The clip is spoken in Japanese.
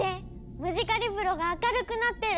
ムジカリブロが明るくなってる！